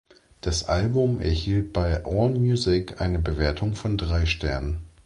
Das Album erhielt bei Allmusic eine Bewertung von drei Sternen.